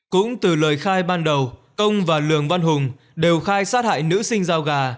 cũng từ lời khai ban đầu công và lường văn hùng đều khai sát hại nữ sinh giao gà